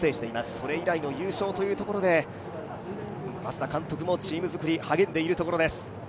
それ以来の優勝というところで、増田監督もチームづくりに励んでいるところです。